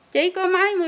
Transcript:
chỉ có mấy người